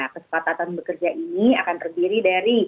kesepakatan bekerja ini akan terdiri dari